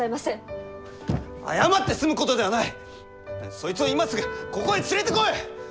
そいつを今すぐここへ連れてこい！